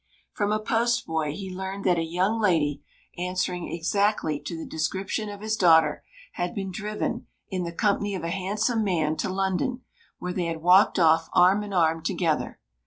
From a postboy he learned that a young lady, answering exactly to the description of his daughter, had been driven, in the company of a handsome man, to London, where they had walked off arm in arm together.